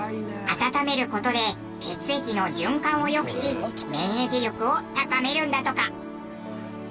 温める事で血液の循環を良くし免疫力を高めるんだとか。